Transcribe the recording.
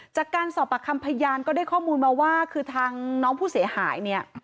จากการสอบปากคำพยานก็ได้ข้อมูลมาว่าคือทางน้องผู้เสียหายเนี่ย